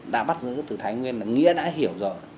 đã bắt giữ từ thái nguyên là nghĩa đã hiểu rồi